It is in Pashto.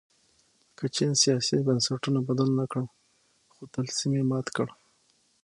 که چین سیاسي بنسټونه بدل نه کړل خو طلسم یې مات کړ.